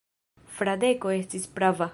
Fradeko estis prava.